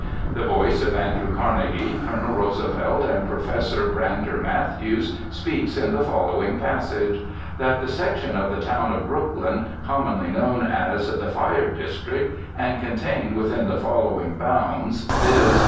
The voice of Andrew Carnegie, Colonel Roosevelt, and Prof. Brander Matthews speaks in the following passage: "That the section of the town of Brooklyn, commonly known as 'The Fire District,' and contained within the following bounds, viz.